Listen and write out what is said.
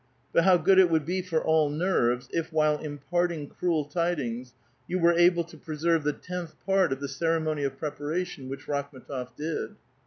But how good it would be for all nerves if, while imparting cruel tidings, you were able to preserve the tenth part of the ceremony of preparation which Rakhm^tof did.